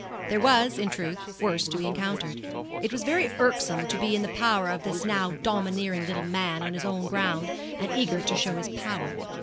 There was, in truth, worse to be encountered. It was very irksome to be in the power of this now domineering little man on his own ground, and eager to show his power.